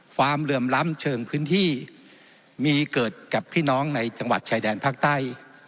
เหลื่อมล้ำเชิงพื้นที่มีเกิดกับพี่น้องในจังหวัดชายแดนภาคใต้